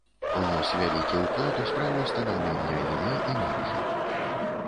Унёс вялікі ўклад у справу станаўлення анімэ і мангі.